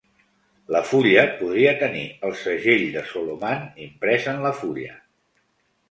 La fulla podria tenir el Segell de Soloman imprès en la fulla.